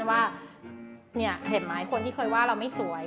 ว่าเห็นไหมคนที่เคยว่าเราไม่สวย